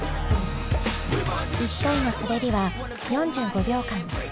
１回の滑りは４５秒間。